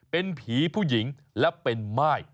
เป็นผีผู้หญิงและเป็นม่าย